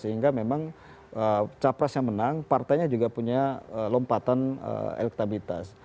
karena saat ini capres yang menang partainya juga punya lompatan elektabitas